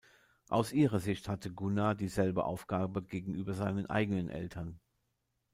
Aus ihrer Sicht hatte „Gunnar“ dieselbe Aufgabe gegenüber seinen eigenen Eltern.